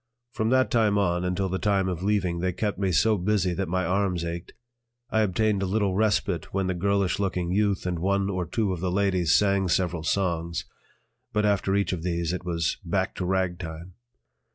From that time on until the time of leaving they kept me so busy that my arms ached. I obtained a little respite when the girlish looking youth and one or two of the ladies sang several songs, but after each of these it was "back to ragtime."